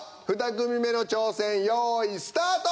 ２組目の挑戦用意スタート！